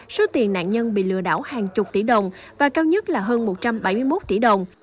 số tiền nạn nhân bị lừa đảo hàng chục tỷ đồng và cao nhất là hơn một trăm bảy mươi một tỷ đồng